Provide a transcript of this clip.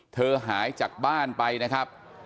หายจากบ้านไปนะครับ